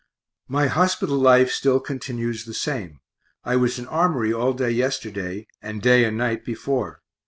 My hospital life still continues the same I was in Armory all day yesterday and day and night before.